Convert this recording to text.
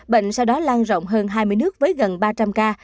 bệnh sau đó lan rộng hơn hai mươi nước với gần ba trăm linh ca